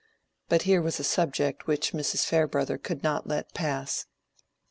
But here was a subject which Mrs. Farebrother could not let pass.